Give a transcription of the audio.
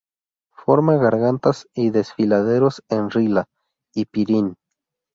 Forma gargantas y desfiladeros en Rila y Pirin.